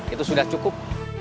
itu sudah cukup